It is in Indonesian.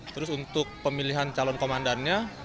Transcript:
terus untuk pemilihan calon komandannya